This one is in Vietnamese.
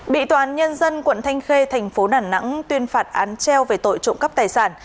bị toán nhân dân quận thanh khê thành phố đà nẵng tuyên phạt án treo về tội trộm cắp tài sản